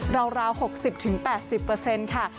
ราว๖๐๘๐ค่ะ